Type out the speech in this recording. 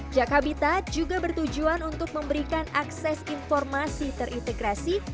jak habitat juga bertujuan untuk memberikan akses informasi terintegrasi